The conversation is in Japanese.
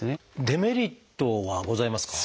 デメリットはございますか？